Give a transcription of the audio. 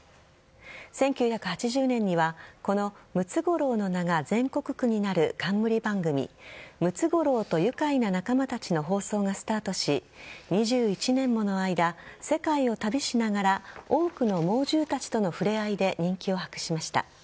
１９８０年にはこのムツゴロウの名が全国区になる冠番組「ムツゴロウとゆかいな仲間たち」の放送がスタートし２１年もの間、世界を旅しながら多くの猛獣たちとの触れ合いで人気を博しました。